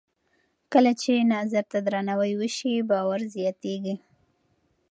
کله چې نظر ته درناوی وشي، باور زیاتېږي.